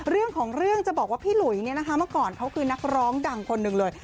เรื่องของเรื่องจะบอกว่าพี่หลุยเนี่ยนะคะเมื่อก่อนเขาคือนักร้องดังคนหนึ่งเลย